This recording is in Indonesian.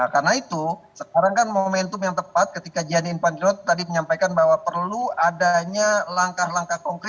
karena itu sekarang kan momentum yang tepat ketika gianni infantino tadi menyampaikan bahwa perlu adanya langkah langkah konkret